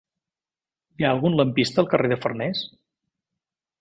Hi ha algun lampista al carrer de Farnés?